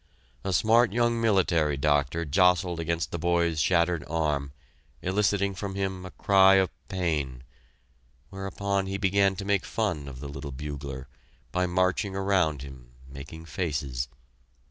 A smart young military doctor jostled against the boy's shattered arm, eliciting from him a cry of pain, whereupon he began to make fun of the little bugler, by marching around him, making faces.